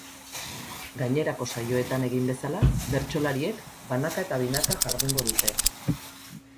Gainerako saioetan egin bezala, bertsolariek banaka eta binaka jardungo dute.